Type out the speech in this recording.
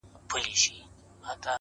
تاریخي ودانۍ د هنر نښې دي